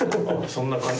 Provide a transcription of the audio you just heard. そんな感じ